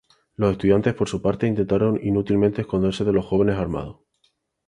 Los estudiantes, por su parte, intentaron inútilmente esconderse de los jóvenes armados.